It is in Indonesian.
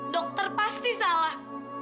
dokter pasti salah